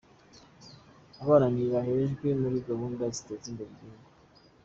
Abana ntibahejwe muri gahunda ziteza imbere igihugu